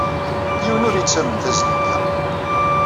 Yiwen ur yettamen tazniwt-a.